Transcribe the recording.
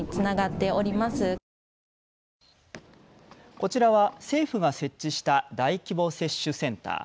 こちらは政府が設置した大規模接種センター。